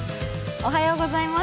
おはようございます。